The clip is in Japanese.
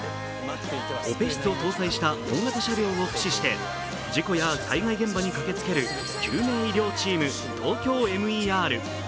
オペ室を搭載した大型車両を駆使して事故や災害現場に駆けつける救命医療チーム、ＴＯＫＹＯＭＥＲ。